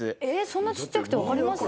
そんなちっちゃくてわかります？